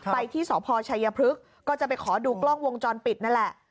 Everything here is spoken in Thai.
ไปที่สพชัยพฤกษ์ก็จะไปขอดูกล้องวงจรปิดนั่นแหละ